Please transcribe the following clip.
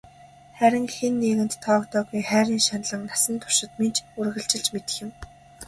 Харин хэн нэгэнд тоогдоогүй хайрын шаналан насан туршид минь ч үргэлжилж мэдэх юм.